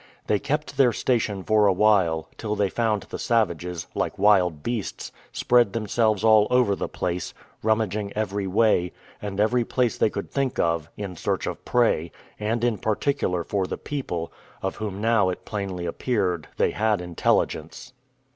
They kept their station for a while, till they found the savages, like wild beasts, spread themselves all over the place, rummaging every way, and every place they could think of, in search of prey; and in particular for the people, of whom now it plainly appeared they had intelligence.